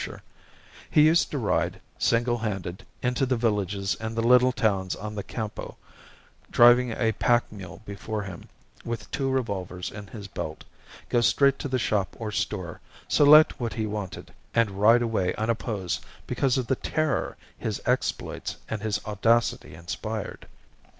He used to ride, single handed, into the villages and the little towns on the Campo, driving a pack mule before him, with two revolvers in his belt, go straight to the shop or store, select what he wanted, and ride away unopposed because of the terror his exploits and his audacity inspired.